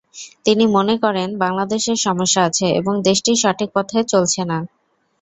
তিনি মনে করেন, বাংলাদেশের সমস্যা আছে এবং দেশটি সঠিক পথে চলছে না।